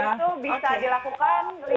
itu bisa dilakukan lima belas repetisi